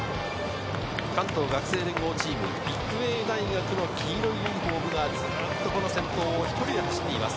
関東学生連合チーム、育英大学の黄色いユニホームがずっとこの先頭を１人で走っています。